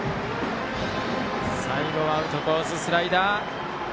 最後はアウトコース、スライダー。